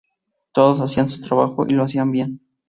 Todos hacían su trabajo y lo hacían bien.